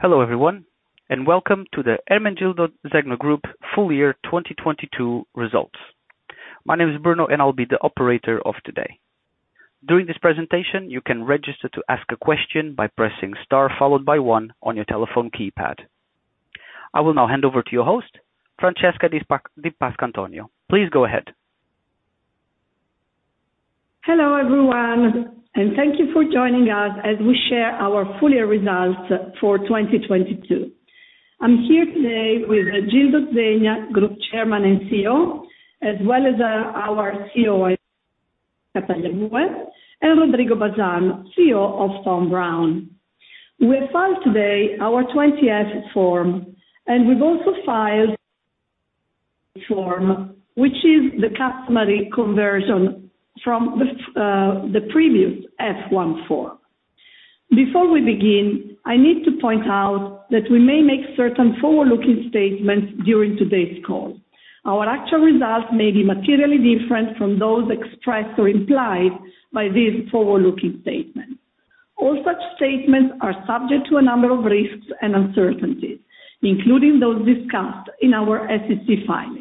Hello everyone, welcome to the Ermenegildo Zegna Group Full Year 2022 Results. My name is Bruno, and I'll be the operator of today. During this presentation, you can register to ask a question by pressing Star followed by one on your telephone keypad. I will now hand over to your host, Francesca Di Pasquantonio. Please go ahead. Hello everyone, thank you for joining us as we share our full year results for 2022. I'm here today with Gildo Zegna, Group Chairman and CEO, as well as our CEO and Rodrigo Bazan, CEO of Thom Browne. We have filed today our 20-F form, we've also filed form, which is the customary conversion from the previous F-1 form. Before we begin, I need to point out that we may make certain forward-looking statements during today's call. Our actual results may be materially different from those expressed or implied by these forward-looking statements. All such statements are subject to a number of risks and uncertainties, including those discussed in our SEC filings.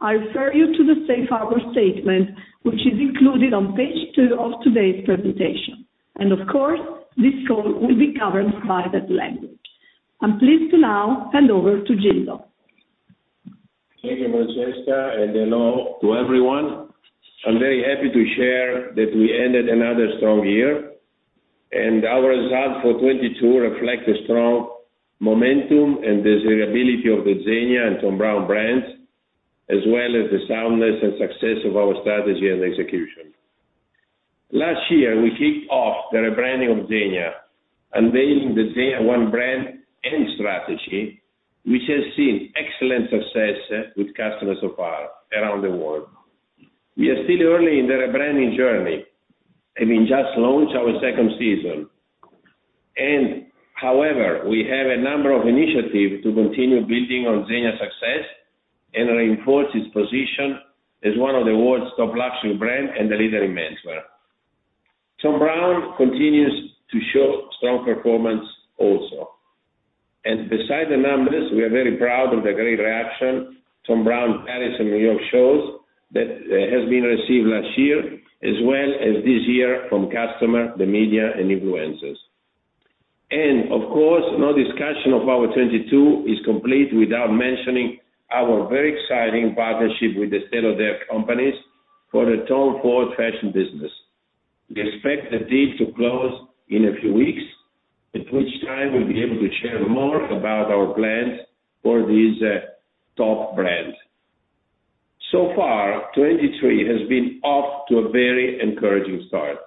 I refer you to the safe harbor statement, which is included on page two of today's presentation, of course, this call will be covered by that language. I'm pleased to now hand over to Gildo. Thank you, Francesca. Hello to everyone. I'm very happy to share that we ended another strong year, and our results for 2022 reflect a strong momentum and desirability of the ZEGNA and Thom Browne brands, as well as the soundness and success of our strategy and execution. Last year, we kicked off the rebranding of ZEGNA, unveiling the ZEGNA One Brand and strategy, which has seen excellent success with customers so far around the world. We are still early in the rebranding journey, and we just launched our second season. However, we have a number of initiatives to continue building on ZEGNA success and reinforce its position as one of the world's top luxury brand and a leader in menswear. Thom Browne continues to show strong performance also. Besides the numbers, we are very proud of the great reaction Thom Browne Paris and New York shows that has been received last year as well as this year from customers, the media, and influencers. No discussion of our 22 is complete without mentioning our very exciting partnership with The Estée Lauder Companies for the TOM FORD FASHION business. We expect the deal to close in a few weeks, at which time we'll be able to share more about our plans for these top brands. 23 has been off to a very encouraging start,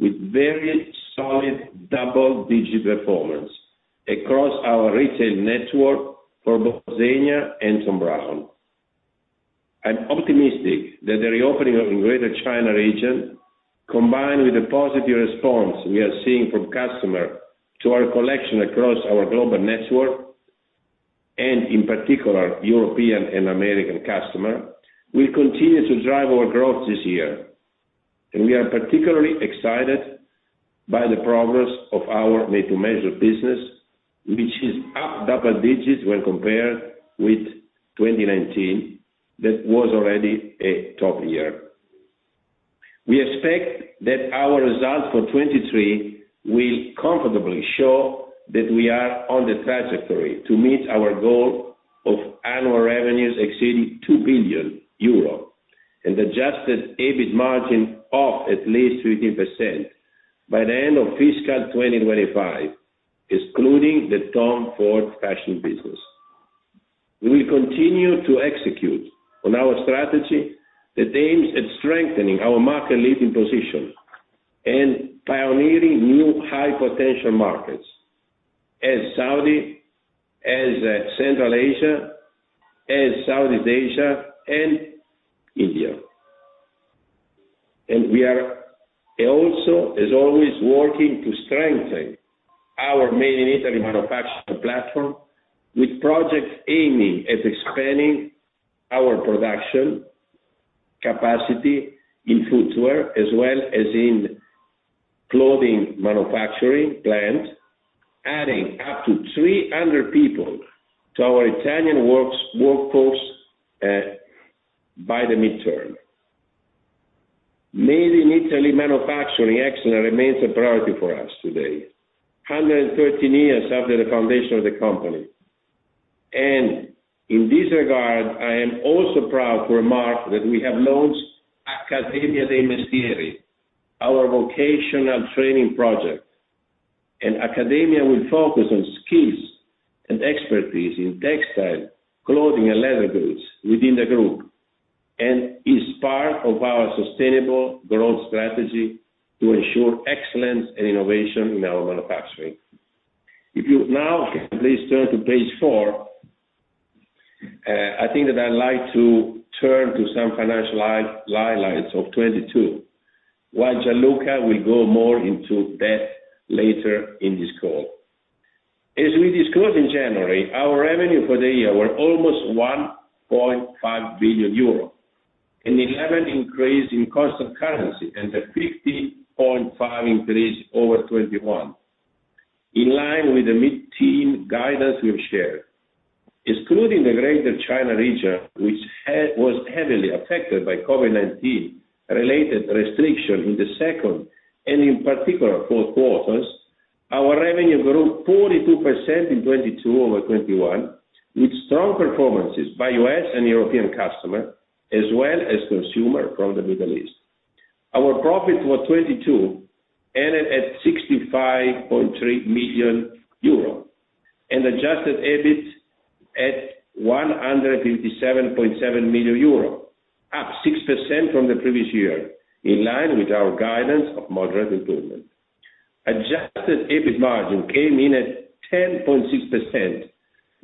with very solid double-digit performance across our retail network for both ZEGNA and Thom Browne. I'm optimistic that the reopening of the Greater China region, combined with the positive response we are seeing from customers to our collection across our global network, and in particular European and American customers, will continue to drive our growth this year. We are particularly excited by the progress of our Made-to-Measure business, which is up double digits when compared with 2019, that was already a top year. We expect that our results for 2023 will comfortably show that we are on the trajectory to meet our goal of annual revenues exceeding 2 billion euro and Adjusted EBIT margin of at least 13% by the end of fiscal 2025, excluding the TOM FORD FASHION business. We will continue to execute on our strategy that aims at strengthening our market-leading position and pioneering new high-potential markets as Saudi, as Central Asia, as Southeast Asia and India. We are also, as always, working to strengthen our Made in Italy manufacturing platform with projects aiming at expanding our production capacity in footwear as well as in clothing manufacturing plant, adding up to 300 people to our Italian workforce by the midterm. Made in Italy manufacturing excellence remains a priority for us today, 113 years after the foundation of the company. In this regard, I am also proud to remark that we have launched Accademia dei Mestieri, our vocational training project. Accademia will focus on skills and expertise in textile, clothing, and leather goods within the group, and is part of our sustainable growth strategy to ensure excellence and innovation in our manufacturing. If you now please turn to page four, I think that I'd like to turn to some financial highlights of 2022, while Gianluca will go more into depth later in this call. As we disclosed in January, our revenue for the year were almost 1.5 billion euro. An 11% increase in constant currency and a 50.5% increase over 2021. In line with the mid-teen guidance we have shared. Excluding the Greater China region, which was heavily affected by COVID-19 related restrictions in the second and in particular fourth quarters, our revenue grew 42% in 2022 over 2021, with strong performances by U.S. and European customer as well as consumer from the Middle East. Our profit for 2022 ended at 65.3 million euro and adjusted EBIT at 157.7 million euro, up 6% from the previous year, in line with our guidance of moderate improvement. Adjusted EBIT margin came in at 10.6%,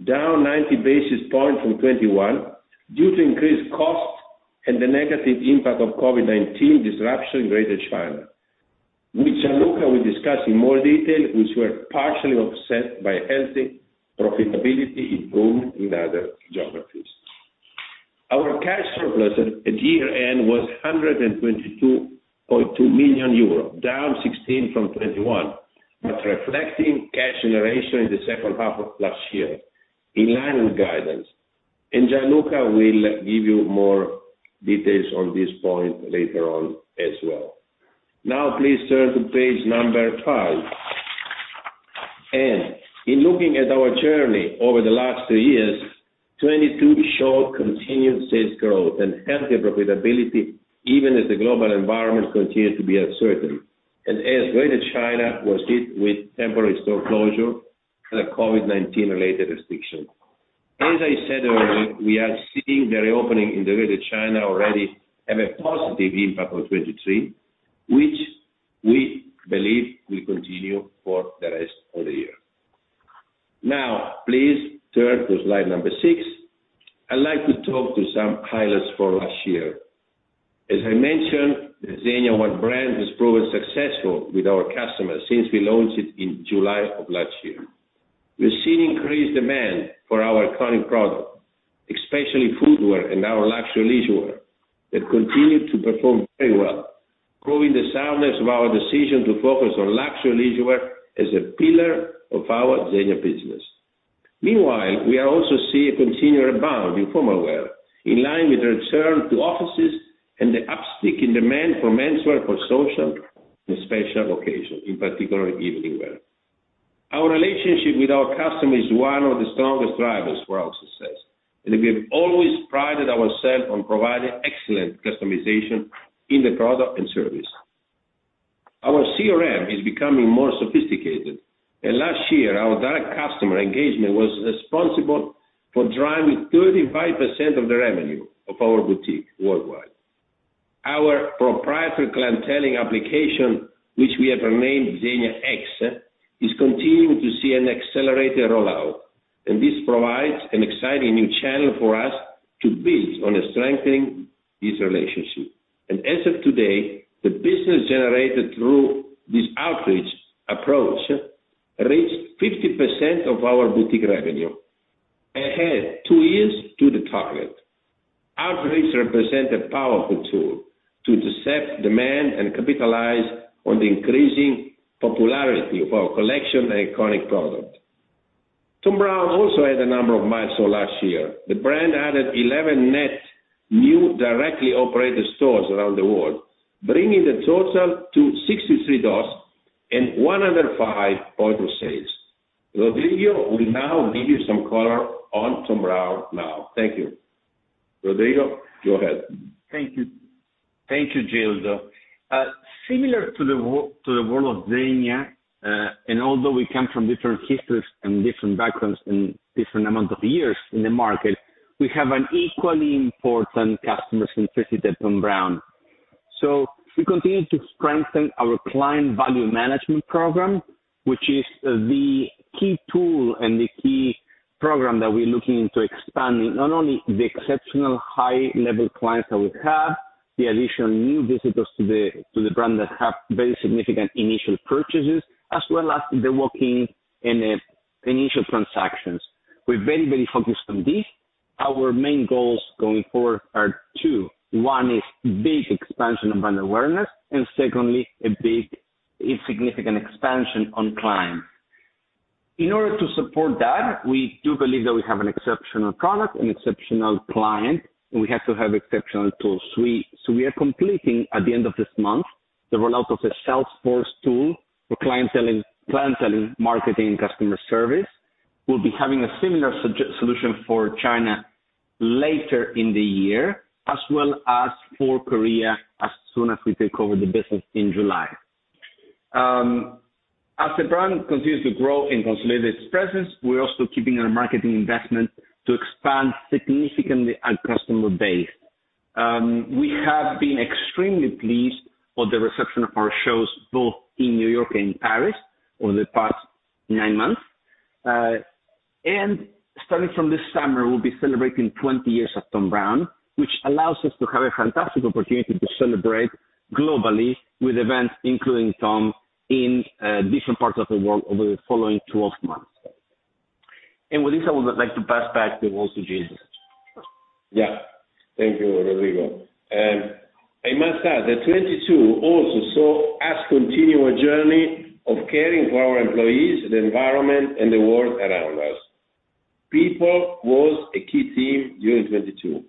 down 90 basis points from 2021 due to increased costs and the negative impact of COVID-19 disruption in Greater China, which Gianluca will discuss in more detail, which were partially offset by healthy profitability improvement in other geographies. Our cash surplus at year-end was 122.2 million euro, down 16% from 2021. Reflecting cash generation in the second half of last year in line with guidance. Gianluca will give you more details on this point later on as well. Now please turn to page number five. In looking at our journey over the last two years, 2022 showed continued sales growth and healthy profitability even as the global environment continued to be uncertain. As Greater China was hit with temporary store closure and a COVID-19 related restriction. As I said earlier, we are seeing the reopening in the Greater China already have a positive impact on 2023, which we believe will continue for the rest of the year. Please turn to slide number six. I'd like to talk to some highlights for last year. As I mentioned, the ZEGNA One Brand has proven successful with our customers since we launched it in July of last year. We're seeing increased demand for our iconic product, especially footwear and our luxury leisurewear that continued to perform very well, growing the soundness of our decision to focus on luxury leisurewear as a pillar of our ZEGNA business. We are also seeing a continued rebound in formalwear in line with the return to offices and the upswing in demand for menswear for social and special occasions, in particular evening wear. Our relationship with our customer is one of the strongest drivers for our success. We have always prided ourselves on providing excellent customization in the product and service. Our CRM is becoming more sophisticated. Last year our direct customer engagement was responsible for driving 35% of the revenue of our boutique worldwide. Our proprietary clienteling application, which we have renamed ZEGNA X, is continuing to see an accelerated rollout. This provides an exciting new channel for us to build on strengthening this relationship. As of today, the business generated through this outreach approach reached 50% of our boutique revenue ahead two years to the target. Outreach represent a powerful tool to intercept demand and capitalize on the increasing popularity of our collection and iconic product. Thom Browne also had a number of milestones last year. The brand added 11 net new directly operated stores around the world, bringing the total to 63 doors and 105 outdoor sales. Rodrigo will now give you some color on Thom Browne now. Thank you. Rodrigo, go ahead. Thank you. Thank you, Gil. Similar to the world of ZEGNA, although we come from different histories and different backgrounds and different amount of years in the market, we have an equally important customer centricity at Thom Browne. We continue to strengthen our client value management program, which is the key tool and the key program that we're looking into expanding, not only the exceptional high level clients that we have, the addition of new visitors to the brand that have very significant initial purchases, as well as they're working in the initial transactions. We're very focused on this. Our main goals going forward are two. One is big expansion of brand awareness and secondly, a big significant expansion on clients. In order to support that, we do believe that we have an exceptional product, an exceptional client, and we have to have exceptional tool suite. We are completing at the end of this month, the rollout of a Salesforce tool for clienteling, marketing, and customer service. We'll be having a similar solution for China later in the year as well as for Korea as soon as we take over the business in July. As the brand continues to grow and consolidate its presence, we're also keeping our marketing investment to expand significantly our customer base. We have been extremely pleased with the reception of our shows, both in New York and Paris over the past nine months. Starting from this summer, we'll be celebrating 20 years of Thom Browne, which allows us to have a fantastic opportunity to celebrate globally with events including Thom in different parts of the world over the following 12 months. With this, I would like to pass back the words to Gildo. Yeah. Thank you, Rodrigo. I must add that 22 also saw us continue our journey of caring for our employees, the environment, and the world around us. People was a key theme during 22.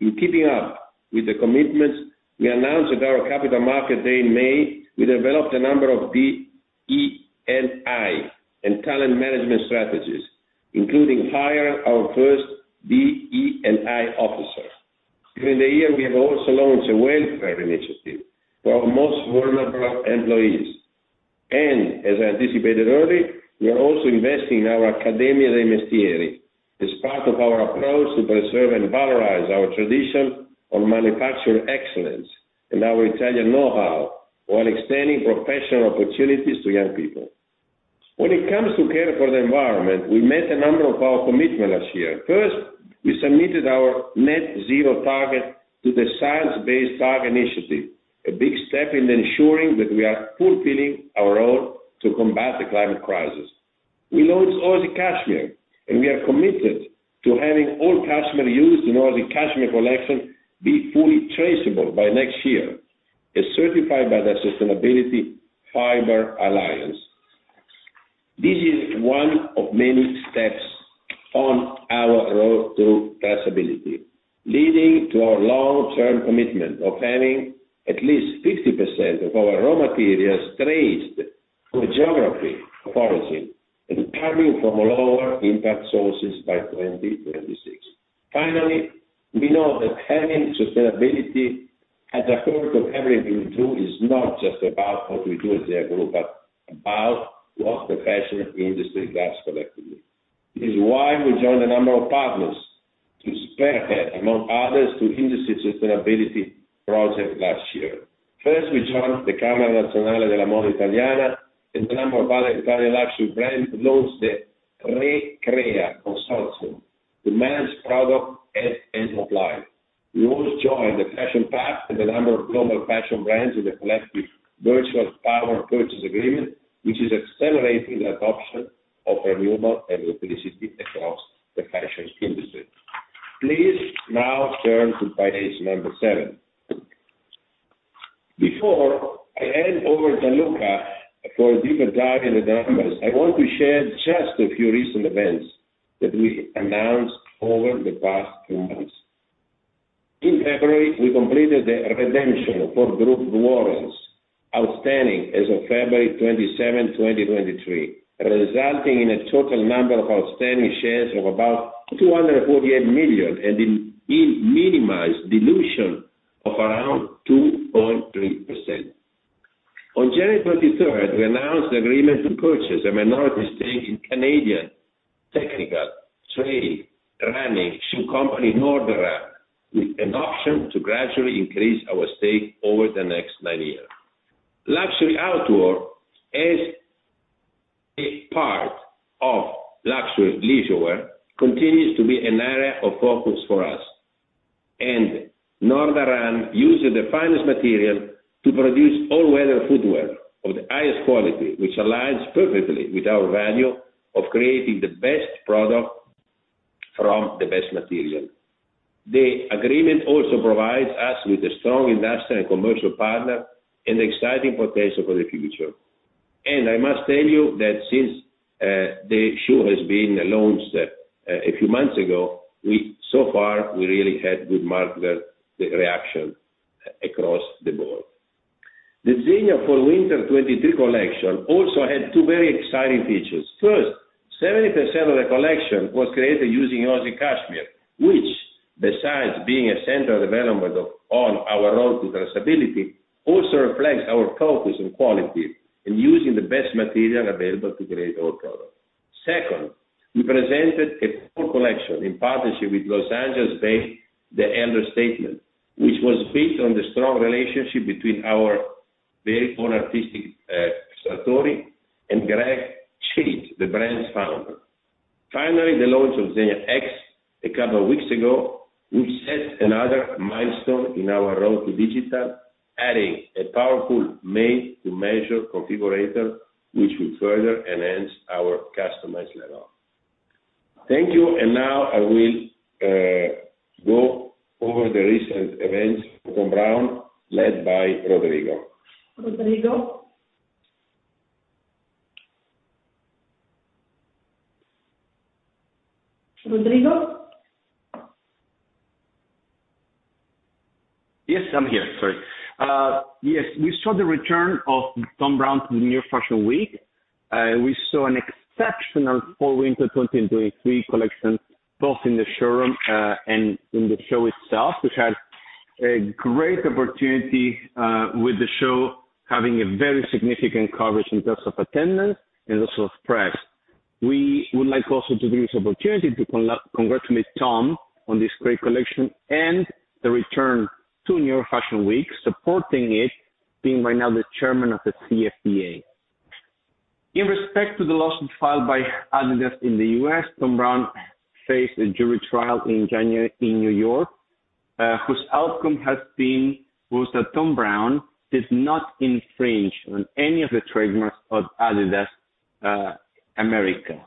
In keeping up with the commitments we announced at our Capital Markets Day in May, we developed a number of DE&I and talent management strategies, including hiring our first DE&I officer. During the year, we have also launched a welfare initiative for our most vulnerable employees. As I anticipated earlier, we are also investing in our Accademia dei Mestieri as part of our approach to preserve and valorize our tradition of manufacture excellence and our Italian know-how while extending professional opportunities to young people. When it comes to care for the environment, we met a number of our commitment last year. We submitted our net-zero target to the Science Based Targets initiative, a big step in ensuring that we are fulfilling our role to combat the climate crisis. We launched Oasi Cashmere, we are committed to having all cashmere used in Oasi Cashmere collection be fully traceable by next year, as certified by the Sustainable Fibre Alliance. This is one of many steps on our road to traceability, leading to our long-term commitment of having at least 50% of our raw materials traced to a geography policy and coming from lower impact sources by 2026. We know that having sustainability at the core of everything we do is not just about what we do as a group, but about what the fashion industry does collectively. It is why we joined a number of partners to spearhead, among others, two industry sustainability projects last year. We joined the Camera Nazionale della Moda Italiana and a number of other Italian luxury brands to launch the Re.Crea consortium to manage product at end of life. We also joined The Fashion Pact and a number of global fashion brands in the collective virtual power purchase agreement, which is accelerating the adoption of renewable energy electricity across the fashion industry. Please now turn to page seven. Before I hand over to Luca for a deeper dive in the numbers, I want to share just a few recent events that we announced over the past two months. In February, we completed the redemption for group warrants outstanding as of February 27, 2023, resulting in a total number of outstanding shares of about 248 million and a minimized dilution of around 2.3%. On January 23rd, we announced the agreement to purchase a minority stake in Canadian technical trail-running shoe company, Norda, with an option to gradually increase our stake over the next nine years. Luxury outdoor as a part of luxury leisurewear continues to be an area of focus for us. Norda uses the finest material to produce all-weather footwear of the highest quality, which aligns perfectly with our value of creating the best product from the best material. The agreement also provides us with a strong industrial and commercial partner and exciting potential for the future. I must tell you that since the shoe has been launched a few months ago, we so far really had good market reaction across the board. The ZEGNA Fall/Winter 23 collection also had two very exciting features. First, 70% of the collection was created using Oasi Cashmere, which, besides being a center of development of all our road to traceability, also reflects our focus on quality and using the best material available to create our products. Second, we presented a full collection in partnership with Los Angeles-based The Elder Statesman, which was based on the strong relationship between our very own artistic Sartori and Greg Chait, the brand's founder. Finally, the launch of ZEGNA X a couple weeks ago, which set another milestone in our road to digital, adding a powerful made-to-measure configurator, which will further enhance our customized level. Thank you. Now I will go over the recent events of Thom Browne, led by Rodrigo. Rodrigo? Rodrigo? Yes, I'm here. Sorry. Yes, we saw the return of Thom Browne to New York Fashion Week. We saw an exceptional Fall/Winter 2023 collection, both in the showroom, and in the show itself, which had a great opportunity, with the show having a very significant coverage in terms of attendance and also of press. We would like also to use this opportunity to congratulate Thom on this great collection and the return to New York Fashion Week, supporting it, being right now the chairman of the CFDA. In respect to the lawsuit filed by adidas in the U.S., Thom Browne faced a jury trial in January in New York. Whose outcome was that Thom Browne does not infringe on any of the trademarks of adidas America.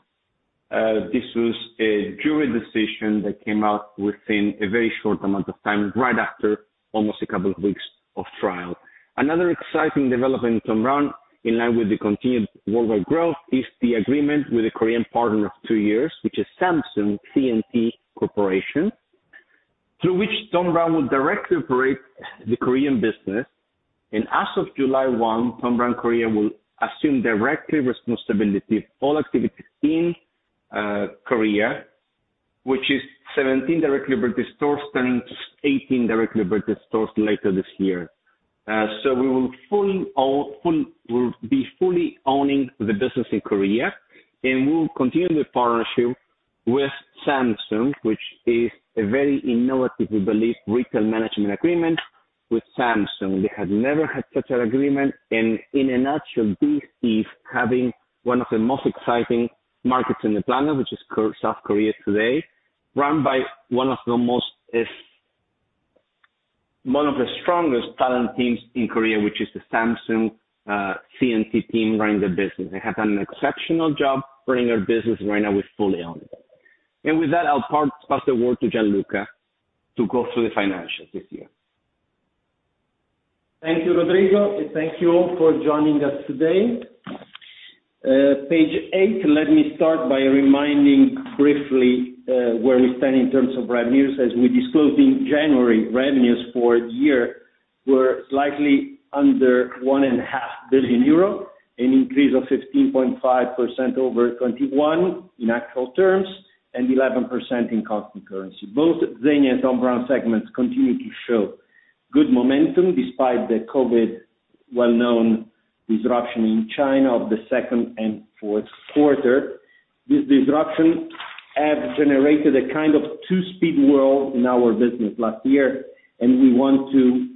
This was a jury decision that came out within a very short amount of time, right after almost a couple of weeks of trial. Another exciting development in Thom Browne, in line with the continued worldwide growth, is the agreement with a Korean partner of two years, which is Samsung C&T Corporation, through which Thom Browne will directly operate the Korean business. As of July 1, Thom Browne Korea will assume directly responsibility of all activities in Korea, which is 17 directly operated stores, turning to 18 directly operated stores later this year. We'll be fully owning the business in Korea, and we'll continue the partnership with Samsung, which is a very innovative, we believe, retail management agreement with Samsung. They have never had such an agreement. In a nutshell, this is having one of the most exciting markets in the planet, which is South Korea today, run by one of the most, one of the strongest talent teams in Korea, which is the Samsung C&T team running the business. They have done an exceptional job running our business. Right now we fully own it. With that, I'll pass the word to Gianluca to go through the financials this year. Thank you, Rodrigo. Thank you all for joining us today. Page eight, let me start by reminding briefly where we stand in terms of revenues. As we disclosed in January, revenues for the year were slightly under one and a half billion EUR, an increase of 15.5% over 2021 in actual terms and 11% in constant currency. Both ZEGNA and Thom Browne segments continue to show good momentum despite the COVID well-known disruption in China of the second and fourth quarter. This disruption has generated a kind of two-speed world in our business last year. We want to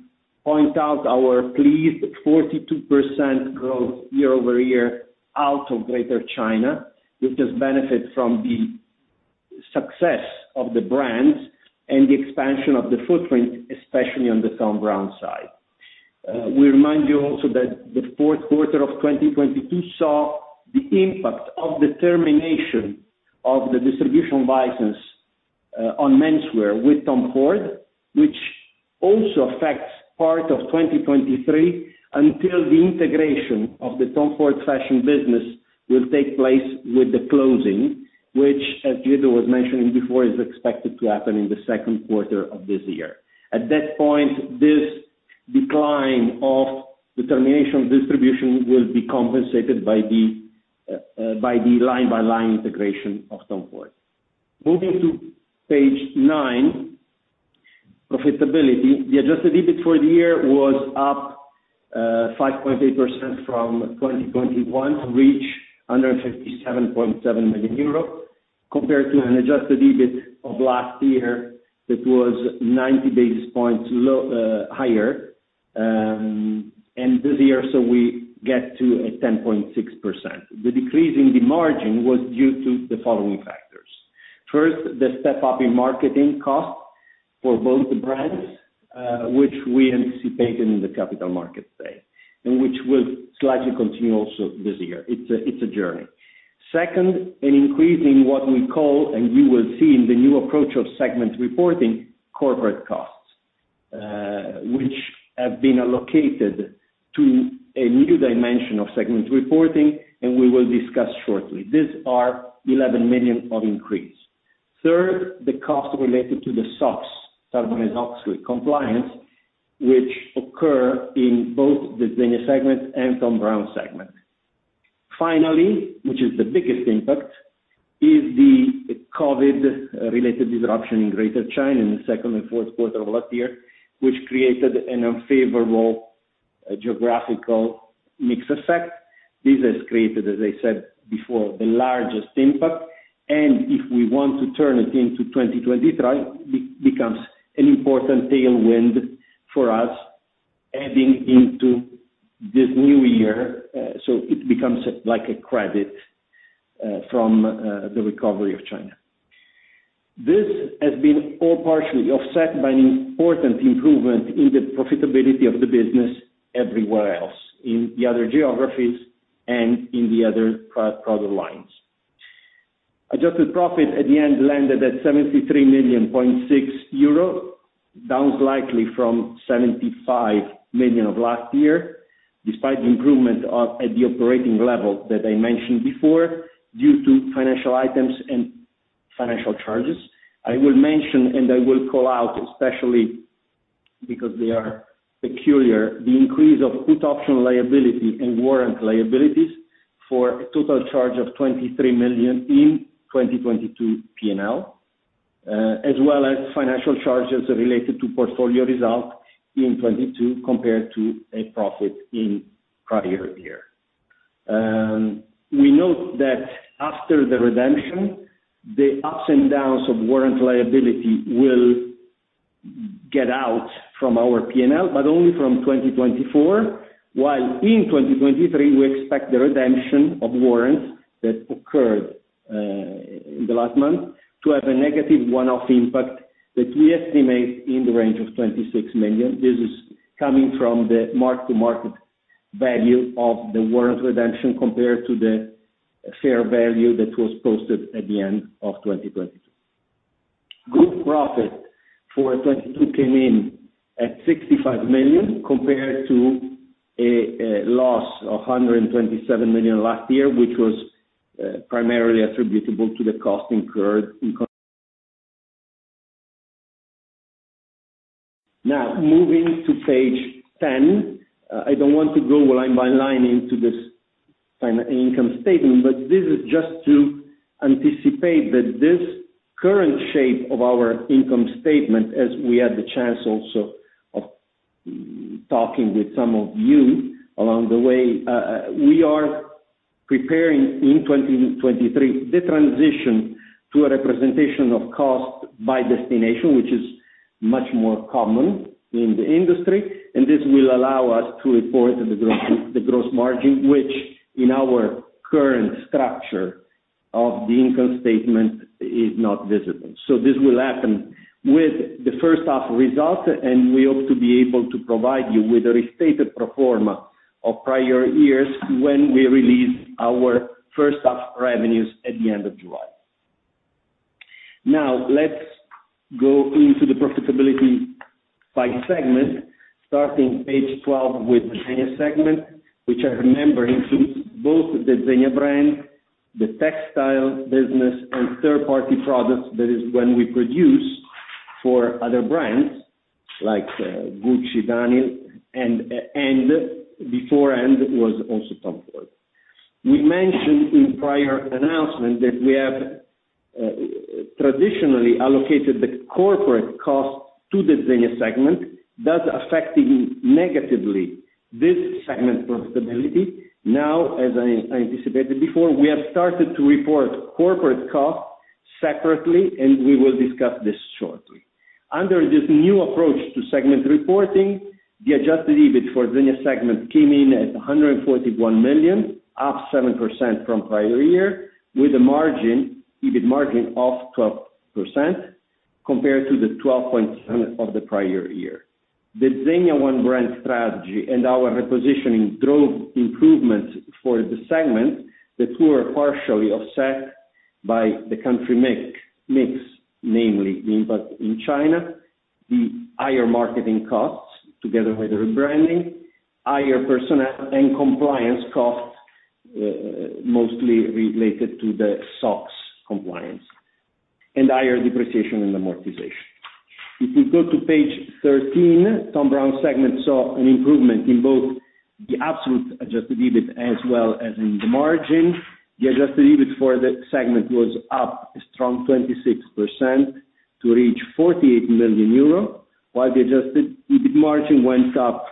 point out our pleased 42% growth year-over-year out of Greater China, which has benefited from the success of the brands and the expansion of the footprint, especially on the Thom Browne side. We remind you also that the fourth quarter of 2022 saw the impact of the termination of the distribution license on menswear with TOM FORD, which also affects part of 2023 until the integration of the TOM FORD FASHION business will take place with the closing, which, as Gildo was mentioning before, is expected to happen in the second quarter of this year. At that point, this decline of the termination of distribution will be compensated by the by the line-by-line integration of TOM FORD. Moving to page nine, profitability. The adjusted EBIT for the year was up 5.8% from 2021 to reach 157.7 million euros, compared to an adjusted EBIT of last year that was 90 basis points higher. This year, we get to a 10.6%. The decrease in the margin was due to the following factors: First, the step-up in marketing costs for both the brands, which we anticipated in the Capital Markets Day, and which will slightly continue also this year. It's a, it's a journey. Second, an increase in what we call, and you will see in the new approach of segment reporting, corporate costs, which have been allocated to a new dimension of segment reporting, and we will discuss shortly. These are 11 million of increase. Third, the cost related to the SOX, Sarbanes-Oxley compliance, which occur in both the ZEGNA segment and Thom Browne segment. Finally, which is the biggest impact, is the COVID-related disruption in Greater China in the second and fourth quarter of last year, which created an unfavorable geographical mix effect. This has created, as I said before, the largest impact. If we want to turn it into 2023, becomes an important tailwind for us heading into this new year. It becomes like a credit from the recovery of China. This has been all partially offset by an important improvement in the profitability of the business everywhere else, in the other geographies and in the other product lines. Adjusted profit at the end landed at 73.6 million, down slightly from 75 million of last year, despite the improvement at the operating level that I mentioned before, due to financial items and financial charges. I will mention, and I will call out especially because they are peculiar, the increase of put option liability and warrant liabilities for a total charge of 23 million in 2022 P&L, as well as financial charges related to portfolio results in 2022 compared to a profit in prior year. We note that after the redemption, the ups and downs of warrant liability will get out from our P&L, but only from 2024, while in 2023, we expect the redemption of warrants that occurred in the last month to have a negative one-off impact that we estimate in the range of 26 million. This is coming from the mark-to-market value of the warrants redemption compared to the fair value that was posted at the end of 2022. Group profit for 2022 came in at 65 million compared to a loss of 127 million last year, which was primarily attributable to the cost incurred in. Now, moving to page 10. I don't want to go line by line into this income statement, but this is just to anticipate that this current shape of our income statement, as we had the chance also of talking with some of you along the way. We are preparing in 2023 the transition to a representation of cost by destination, which is much more common in the industry. This will allow us to report the gross margin, which in our current structure of the income statement is not visible. This will happen with the first half results, and we hope to be able to provide you with a restated pro forma of prior years when we release our first half revenues at the end of July. Let's go into the profitability by segment, starting page 12 with the ZEGNA segment, which I remember includes both the ZEGNA brand, the textile business and third-party products. That is when we produce for other brands like Gucci, [Daniel], and before, and was also TOM FORD. We mentioned in prior announcement that we have traditionally allocated the corporate cost to the ZEGNA segment, thus affecting negatively this segment profitability. As I anticipated before, we have started to report corporate costs separately, and we will discuss this shortly. Under this new approach to segment reporting, the adjusted EBIT for ZEGNA segment came in at 141 million, up 7% from prior year with an EBIT margin of 12% compared to the 12.7% of the prior year. The ZEGNA One Brand strategy and our repositioning drove improvements for the segment that were partially offset by the country mix, namely the impact in China, the higher marketing costs together with the rebranding, higher personnel and compliance costs, mostly related to the SOX compliance, and higher depreciation and amortization. If you go to page 13, Thom Browne segment saw an improvement in both the absolute Adjusted EBIT as well as in the margin. The adjusted EBIT for the segment was up a strong 26% to reach 48 million euro, while the adjusted EBIT margin went up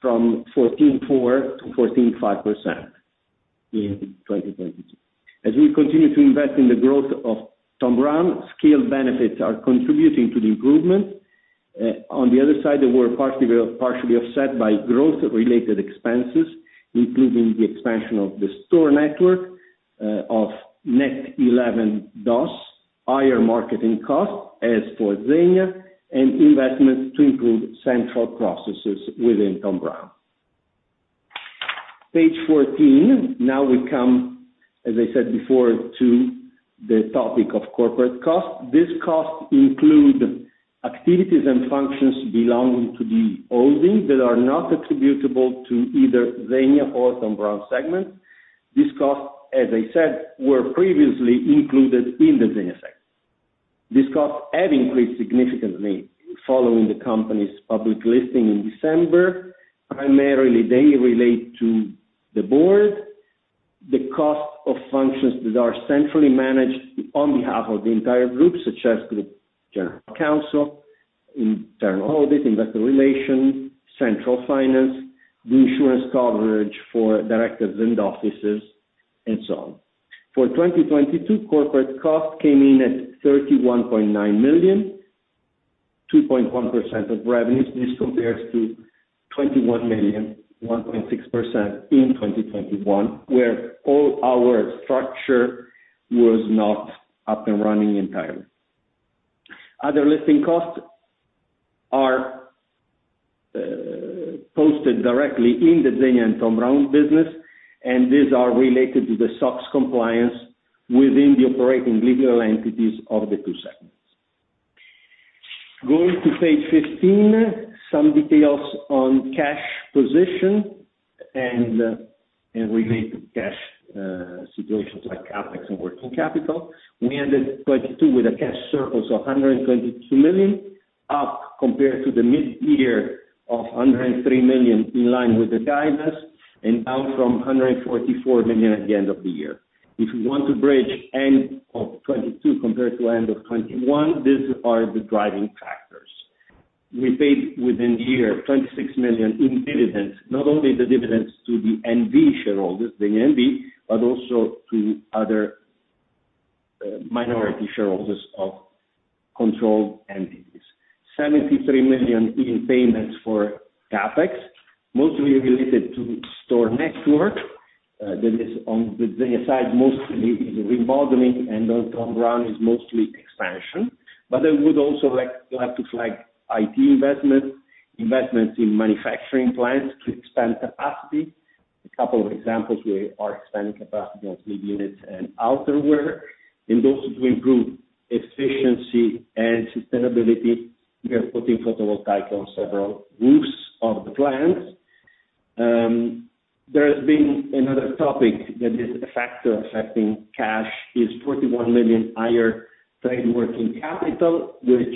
from 14.4% to 14.5% in 2022. We continue to invest in the growth of Thom Browne, scale benefits are contributing to the improvement. On the other side, they were partially offset by growth-related expenses, including the expansion of the store network of net 11 DOS, higher marketing costs, as for ZEGNA, and investments to include central processes within Thom Browne. Page 14. We come, as I said before, to the topic of corporate costs. These costs include activities and functions belonging to the holding that are not attributable to either ZEGNA or Thom Browne segment. These costs, as I said, were previously included in the ZEGNA segment. These costs have increased significantly following the company's public listing in December. Primarily, they relate to the board, the cost of functions that are centrally managed on behalf of the entire group, such as group general counsel, internal audit, investor relations, central finance, the insurance coverage for directors and offices, and so on. For 2022, corporate costs came in at 31.9 million, 2.1% of revenues. This compares to 21 million, 1.6% in 2021, where all our structure was not up and running entirely. Other listing costs are posted directly in the ZEGNA and Thom Browne business, and these are related to the SOX compliance within the operating legal entities of the two segments. Going to page 15, some details on cash position and related cash situations like CapEx and working capital. We ended 2022 with a cash surplus of 122 million, up compared to the mid-year of 103 million in line with the guidance and down from 144 million at the end of the year. If you want to bridge end of 2022 compared to end of 2021, these are the driving factors. We paid within the year, 26 million in dividends, not only the dividends to the N.V. shareholders, the N.V., but also to the minority shareholders of controlled entities. 73 million in payments for CapEx, mostly related to store network. That is on the ZEGNA side, mostly remodeling, and on TOM FORD is mostly expansion. I would also like to have to flag IT investment, investments in manufacturing plants to expand capacity. A couple of examples here are expanding capacity on sleepwear units and outerwear. Also to improve efficiency and sustainability, we are putting photovoltaic on several roofs of the plants. There has been another topic that is a factor affecting cash, is 41 million higher trade working capital, which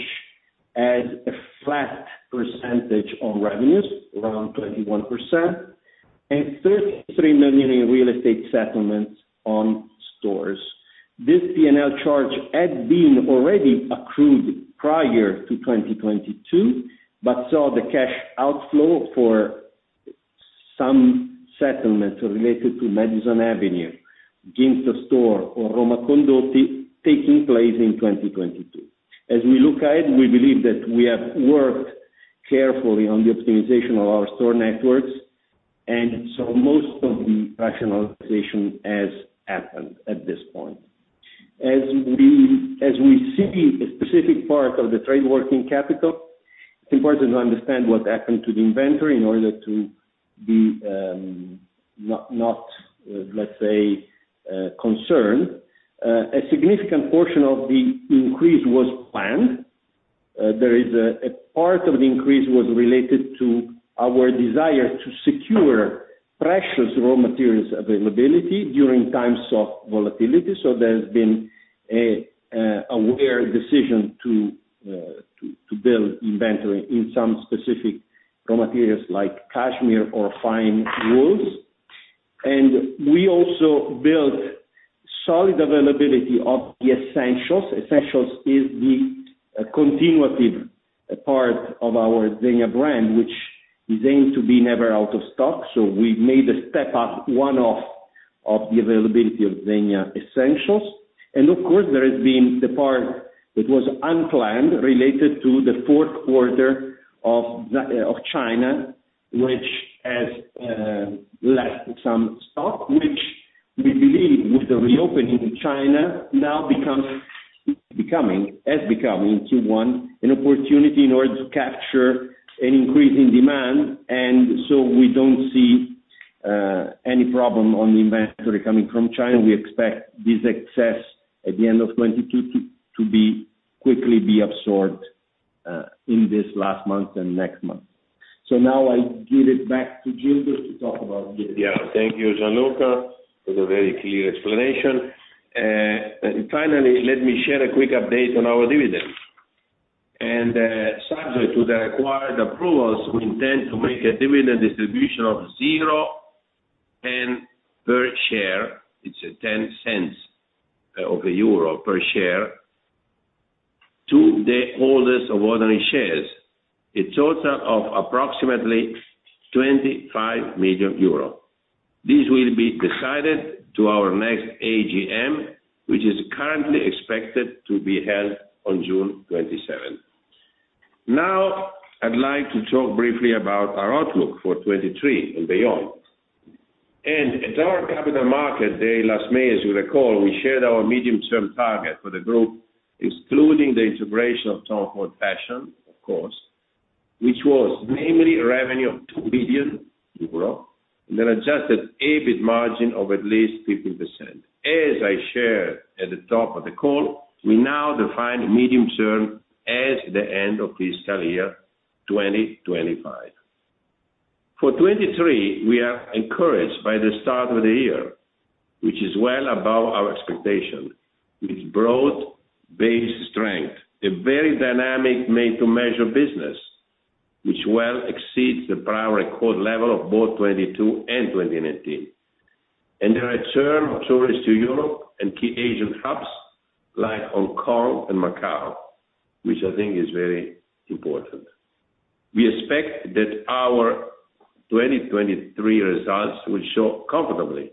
adds a flat percentage on revenues around 21%. 33 million in real estate settlements on stores. This P&L charge had been already accrued prior to 2022, but saw the cash outflow for some settlements related to Madison Avenue, Ginza store or Roma Condotti taking place in 2022. We look at it, we believe that we have worked carefully on the optimization of our store networks, so most of the rationalization has happened at this point. As we see a specific part of the trade working capital, it's important to understand what happened to the inventory in order to be not, let's say, concerned. A significant portion of the increase was planned. There is a part of the increase was related to our desire to secure precious raw materials availability during times of volatility. There has been an aware decision to build inventory in some specific raw materials like cashmere or fine wools. We also built solid availability of the Essentials. Essentials is the continuative part of our ZEGNA brand, which is aimed to be never out of stock. We made a step up one-off of the availability of ZEGNA Essentials. Of course there has been the part that was unplanned related to the fourth quarter of China, which has left some stock, which we believe with the reopening of China now has become in Q1, an opportunity in order to capture an increase in demand. We don't see any problem on the inventory coming from China. We expect this excess at the end of 2022 to be quickly absorbed in this last month and next month. Now I give it back to Gildo to talk about dividends. Thank you, Gianluca. It was a very clear explanation. Finally, let me share a quick update on our dividend. Subject to the required approvals, we intend to make a dividend distribution of 0.10 per share. It's 0.10 per share to the holders of ordinary shares. A total of approximately 25 million euros. This will be decided to our next AGM, which is currently expected to be held on June 27th. I'd like to talk briefly about our outlook for 2023 and beyond. At our Capital Markets Day last May, as you recall, we shared our medium-term target for the group, excluding the integration of TOM FORD FASHION, of course, which was mainly revenue of 2 billion euro and an Adjusted EBIT margin of at least 50%. As I shared at the top of the call, we now define medium-term as the end of fiscal year 2025. For 2023, we are encouraged by the start of the year, which is well above our expectation, with broad-based strength, a very dynamic Made-to-Measure business, which well exceeds the prior record level of both 2022 and 2019. The return of tourists to Europe and key Asian hubs like Hong Kong and Macau, which I think is very important. We expect that our 2023 results will show comfortably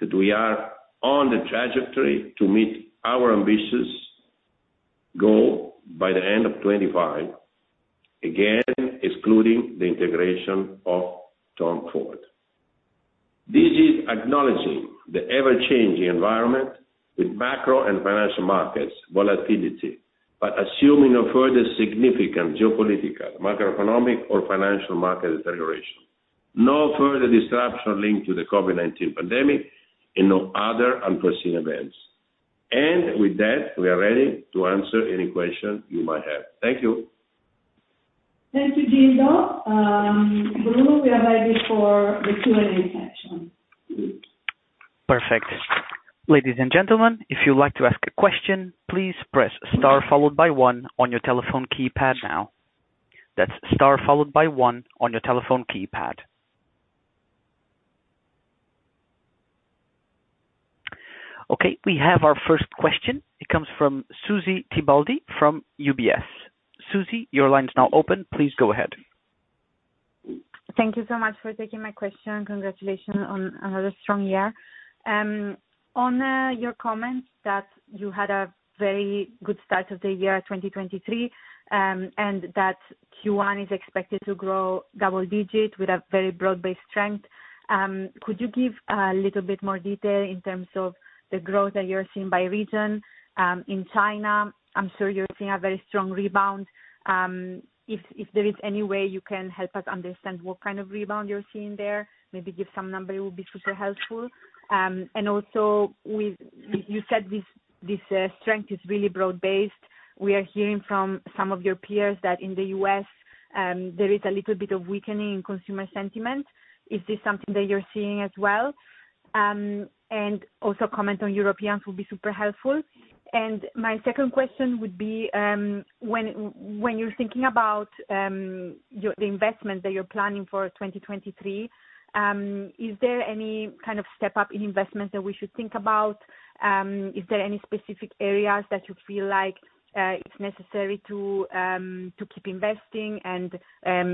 that we are on the trajectory to meet our ambitious goal by the end of 2025. Again, excluding the integration of TOM FORD. This is acknowledging the ever-changing environment with macro and financial markets volatility, assuming no further significant geopolitical, macroeconomic or financial market deterioration. No further disruption linked to the COVID-19 pandemic, no other unforeseen events. With that, we are ready to answer any question you might have. Thank you. Thank you, Gildo. Bruno, we are ready for the Q&A session, please. Perfect. Ladies and gentlemen, if you'd like to ask a question, please press star followed by one on your telephone keypad now. That's star followed by one on your telephone keypad. We have our first question. It comes from Susy Tibaldi from UBS. Susy, your line is now open. Please go ahead. Thank you so much for taking my question. Congratulations on another strong year. On your comments that you had a very good start of the year 2023, and that Q1 is expected to grow double-digits with a very broad-based strength, could you give a little bit more detail in terms of the growth that you're seeing by region, in China? I'm sure you're seeing a very strong rebound. If there is any way you can help us understand what kind of rebound you're seeing there, maybe give some numbers will be super helpful. Also you said this strength is really broad-based. We are hearing from some of your peers that in the U.S., there is a little bit of weakening in consumer sentiment. Is this something that you're seeing as well? Also comment on Europeans will be super helpful. My second question would be, when you're thinking about the investment that you're planning for 2023, is there any kind of step up in investment that we should think about? Is there any specific areas that you feel like, it's necessary to keep investing and,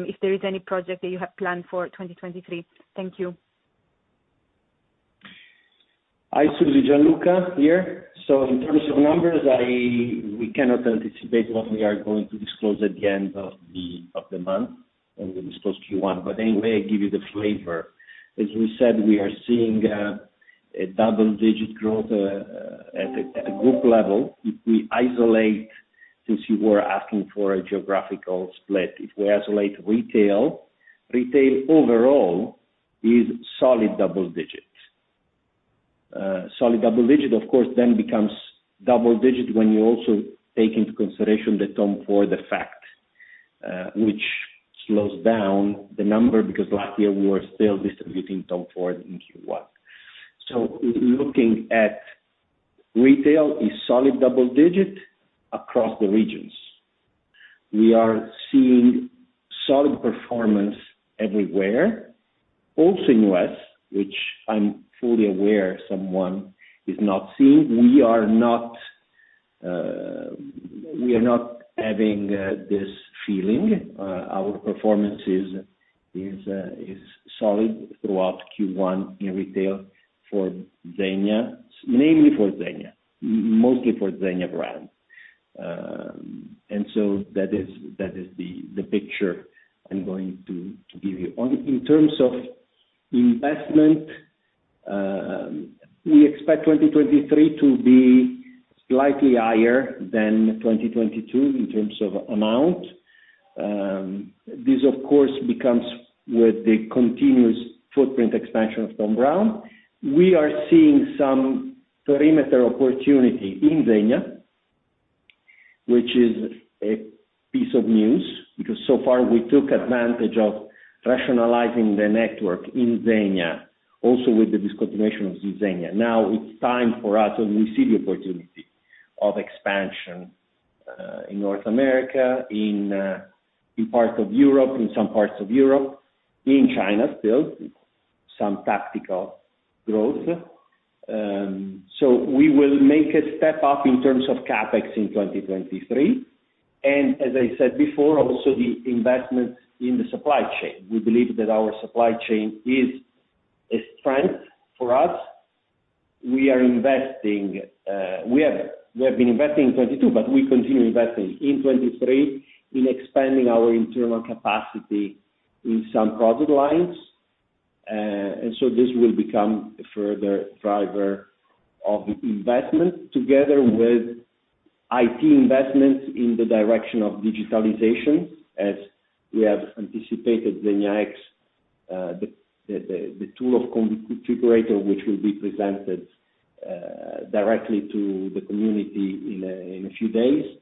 if there is any project that you have planned for 2023? Thank you. Hi, Susy. Gianluca here. In terms of numbers, we cannot anticipate what we are going to disclose at the end of the month when we disclose Q1. Anyway, I give you the flavor. As we said, we are seeing a double-digit growth at a group level. If we isolate, since you were asking for a geographical split, if we isolate retail overall is solid double digits. Solid double-digit, of course, then becomes double-digit when you also take into consideration the TOM FORD effect, which slows down the number because last year we were still distributing TOM FORD in Q1. Looking at retail is solid double-digit across the regions. We are seeing solid performance everywhere, also in U.S., which I'm fully aware someone is not seeing. We are not, we are not having this feeling. Our performance is solid throughout Q1 in retail for ZEGNA, mainly for ZEGNA, mostly for ZEGNA brand. That is the picture I'm going to give you. In terms of investment, we expect 2023 to be slightly higher than 2022 in terms of amount. This of course, becomes with the continuous footprint expansion of Thom Browne. We are seeing some perimeter opportunity in ZEGNA, which is a piece of news because so far we took advantage of rationalizing the network in ZEGNA, also with the discontinuation of Z ZEGNA. Now it's time for us, and we see the opportunity of expansion in North America, in parts of Europe, in some parts of Europe, in China, still some tactical growth. We will make a step up in terms of CapEx in 2023. As I said before, also the investment in the supply chain. We believe that our supply chain is a strength for us. We are investing, we have been investing in 2022, but we continue investing in 2023 in expanding our internal capacity in some product lines. This will become a further driver of investment together with IT investments in the direction of digitalization. As we have anticipated ZEGNA X, the tool of configurator, which will be presented directly to the community in a few days.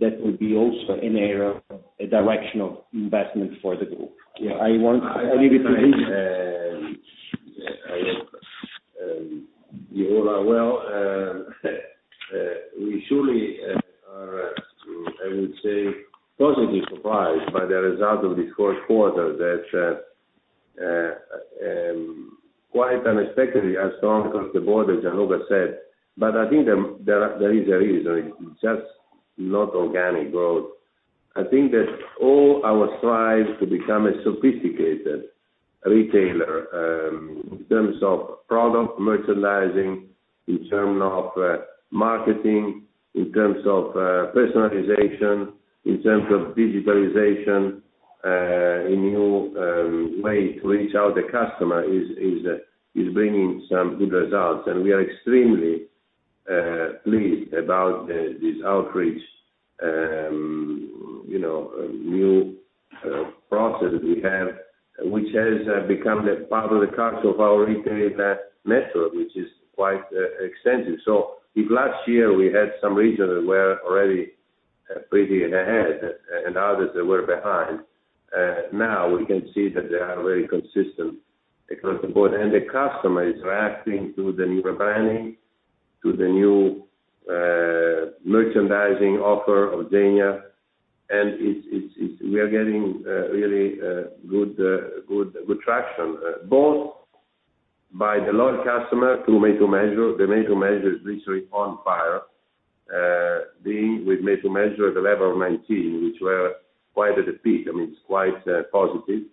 That will be also an era, a direction of investment for the group. I leave it to him. You're all are well. We surely are, I would say positively surprised by the result of this first quarter that quite unexpectedly are strong across the board, as Gianluca said. I think there is a reason. It's just not organic growth. I think that all our strive to become a sophisticated retailer, in term of product merchandising, in term of marketing, in terms of personalization, in terms of digitalization, a new way to reach out the customer is bringing some good results. We are extremely pleased about the, this outreach, you know, new process we have, which has become the part of the culture of our retail method, which is quite extensive. If last year we had some regions that were already pretty ahead and others that were behind, now we can see that they are very consistent across the board. The customer is reacting to the new branding, to the new merchandising offer of Zegna. We are getting really good traction by the loyal customer through Made-to-Measure, the Made-to-Measure is literally on fire. Being with Made-to-Measure at the level of 19, which were quite a defeat. I mean, it's quite positive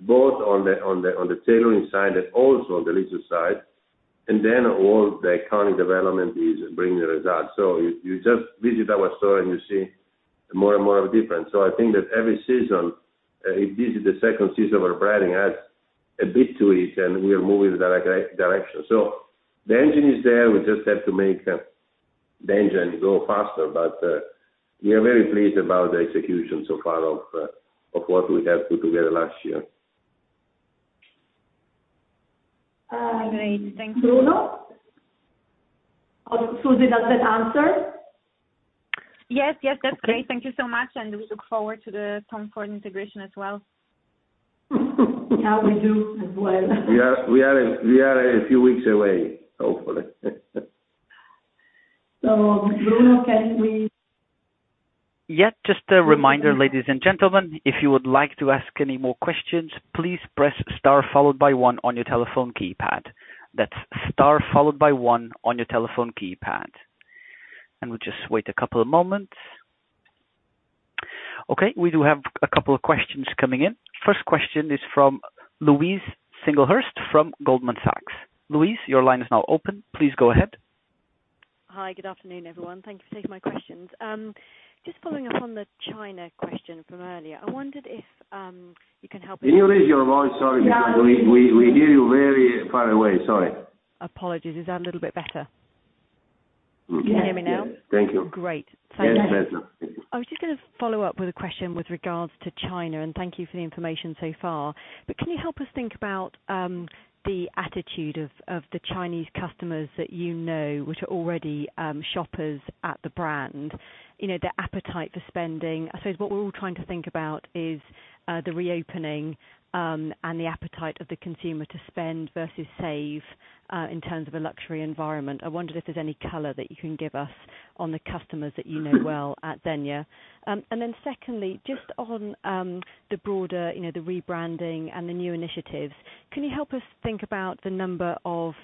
both on the tailoring side and also on the leisure side. All the economy development is bringing the results. You, you just visit our store, and you see more and more of a difference. I think that every season, this is the second season where branding adds a bit to it, and we are moving the direction. The engine is there. We just have to make the engine go faster. We are very pleased about the execution so far of what we have put together last year. Great. Thank you. Bruno? Susy, does that answer? Yes, that's great. Thank you so much, and we look forward to the TOM FORD integration as well. Yeah, we do as well. We are a few weeks away, hopefully. Bruno. Yeah, just a reminder, ladies and gentlemen, if you would like to ask any more questions, please press star followed by one on your telephone keypad. That's star followed by one on your telephone keypad. We'll just wait two moments. Okay, we do have two questions coming in. First question is from Louise Singlehurst from Goldman Sachs. Louise, your line is now open. Please go ahead. Hi. Good afternoon, everyone. Thank you for taking my questions. Just following up on the China question from earlier, I wondered if. Can you raise your voice? Sorry, because we hear you very far away. Sorry. Apologies. Is that a little bit better? Mm-hmm. Yes. Can you hear me now? Thank you. Great. Thank you. Yes, better. Thank you. I was just gonna follow up with a question with regards to China, and thank you for the information so far. Can you help us think about the attitude of the Chinese customers that you know, which are already shoppers at the brand, you know, their appetite for spending? I suppose what we're all trying to think about is the reopening and the appetite of the consumer to spend versus save in terms of a luxury environment. I wonder if there's any color that you can give us on the customers that you know well at ZEGNA. Secondly, just on the broader, you know, the rebranding and the new initiatives, can you help us think about the number of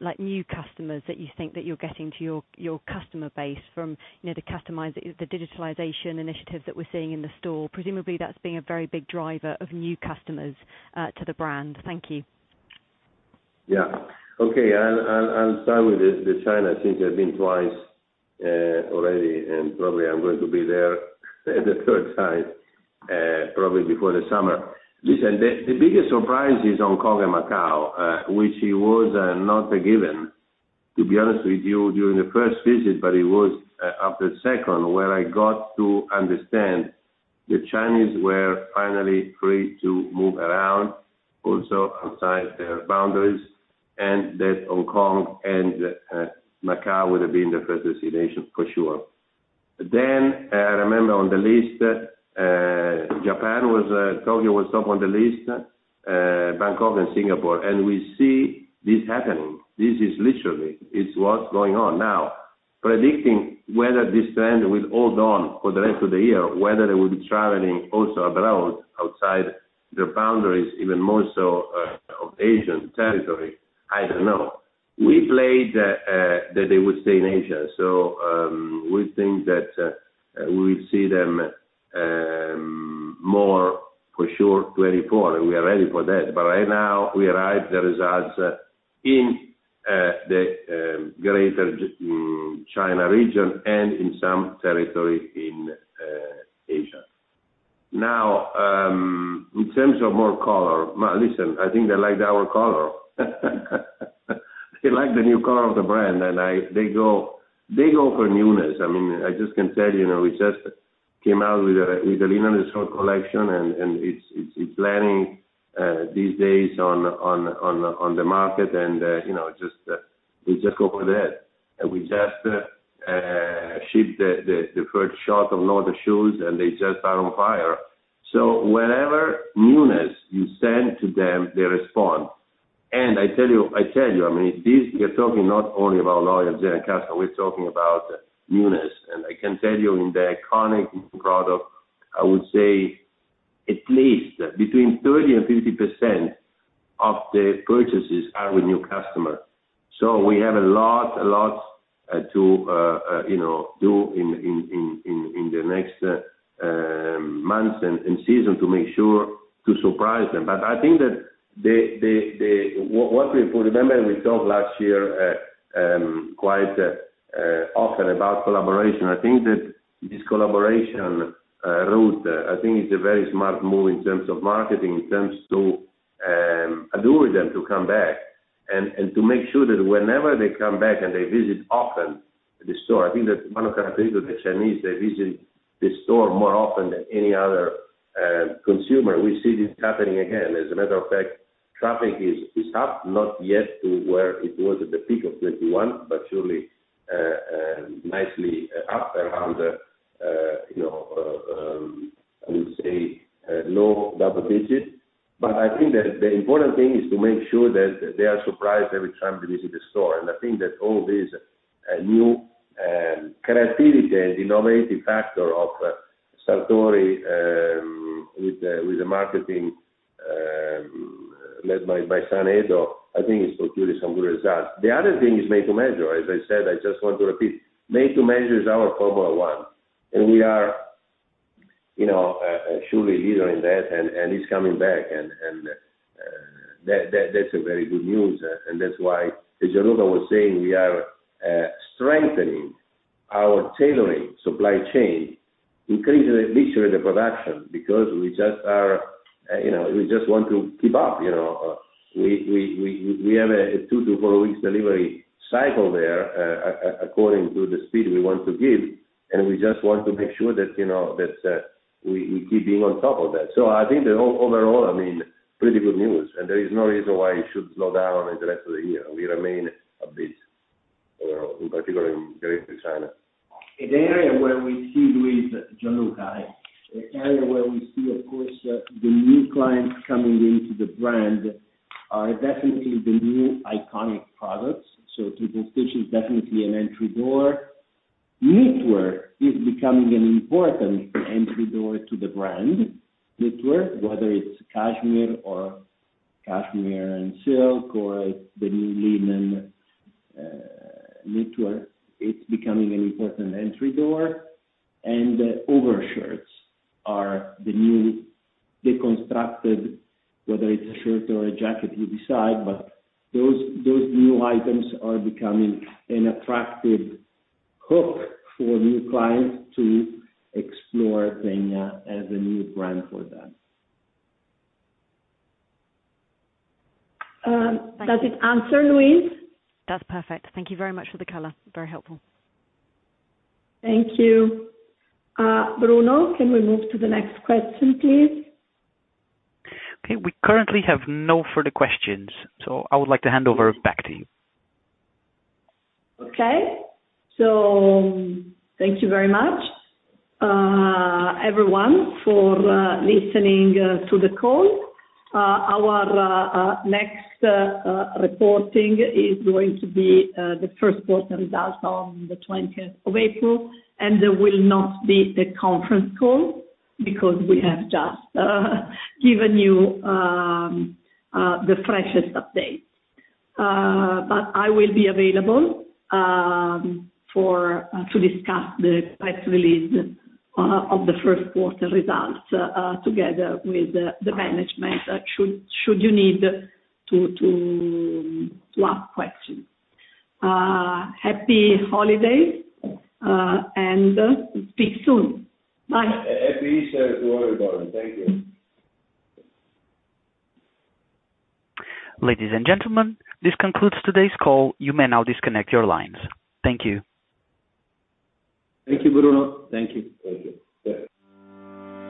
like new customers that you think that you're getting to your customer base from, you know, the customized... The digitalization initiative that we're seeing in the store? Presumably, that's being a very big driver of new customers to the brand. Thank you. Yeah. Okay, I'll start with China since I've been twice already, probably I'm going to be there the third time probably before the summer. Listen, the biggest surprise is Hong Kong and Macau, which it was not a given, to be honest with you, during the first visit, but it was after second, where I got to understand the Chinese were finally free to move around, also outside their boundaries, and that Hong Kong and Macau would have been the first destination for sure. Remember on the list, Japan was, Tokyo was top on the list, Bangkok and Singapore. We see this happening. This is literally, it's what's going on now. Predicting whether this trend will hold on for the rest of the year, whether they will be traveling also abroad, outside their boundaries, even more so, of Asian territory, I don't know. We played that they would stay in Asia. We think that we will see them more for sure 2024, and we are ready for that. Right now, we are eye the results in the greater China region and in some territories in Asia. In terms of more color, listen, I think they liked our color. They like the new color of the brand, they go for newness. I mean, I just can tell, you know, we just came out with a limited short collection, and it's landing these days on the market. You know, they just go for that. We just shipped the first shot of all the shoes, and they just are on fire. Whatever newness you send to them, they respond. I tell you, I mean, this, we're talking not only about loyal ZEGNA customer, we're talking about newness. I can tell you in the iconic product, I would say at least between 30% and 50% of the purchases are with new customers. We have a lot to, you know, do in the next months and season to make sure to surprise them. I think that they What we Remember we talked last year quite often about collaboration. I think that this collaboration route, I think it's a very smart move in terms of marketing, in terms to allure them to come back and to make sure that whenever they come back and they visit often the store, I think that one of the characteristics of the Chinese, they visit the store more often than any other consumer. We see this happening again. As a matter of fact, traffic is up, not yet to where it was at the peak of 2021, but surely, nicely up around, you know, I would say, low-double-digits. I think that the important thing is to make sure that they are surprised every time they visit the store. I think that all this, new, characteristic and innovative factor of Sartori, with the marketing, led by Edoardo Zegna, I think it's produced some good results. The other thing is Made-to-Measure. As I said, I just want to repeat, Made-to-Measure is our Formula One, and we are, you know, surely leader in that and, it's coming back and, that's a very good news. That's why, as Gianluca was saying, we are strengthening our tailoring supply chain, increasing literally the production because we just are, you know, we just want to keep up, you know. We have a two to four weeks delivery cycle there, according to the speed we want to give, and we just want to make sure that, you know, that we keep being on top of that. I think that overall, I mean, pretty good news and there is no reason why it should slow down in the rest of the year. We remain upbeat, in particular in regards to China. An area where we see, Louise, Gianluca, an area where we see, of course, the new clients coming into the brand are definitely the new iconic products. Triple Stitch is definitely an entry door. Knitwear is becoming an important entry door to the brand. Knitwear, whether it's cashmere or cashmere and silk, or the new linen, knitwear, it's becoming an important entry door, and overshirts are the new deconstructed, whether it's a shirt or a jacket, you decide. Those new items are becoming an attractive hook for new clients to explore ZEGNA as a new brand for them. Does it answer, Louise? That's perfect. Thank you very much for the color. Very helpful. Thank you. Bruno, can we move to the next question, please? Okay. We currently have no further questions. I would like to hand over back to you. Thank you very much, everyone for listening to the call. Our next reporting is going to be the first quarter results on the 20th of April, and there will not be a conference call because we have just given you the freshest update. I will be available to discuss the press release of the first quarter results, together with the management should you need to ask questions. Happy holidays, and we'll speak soon. Bye. Happy Easter to everybody. Thank you. Ladies and gentlemen, this concludes today's call. You may now disconnect your lines. Thank you. Thank you, Bruno. Thank you. Thank you. Bye.